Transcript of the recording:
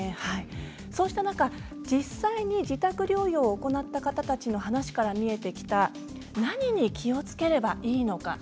そうした中、実際に自宅療養を行った方たちの話から見えてきた何に気をつければいいのか。